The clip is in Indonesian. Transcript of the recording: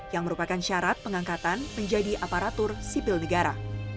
yang merupakan syarat pengangkatan menjadi aparatur sipil negara